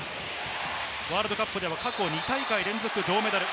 ワールドカップでは過去２大会連続、銅メダル。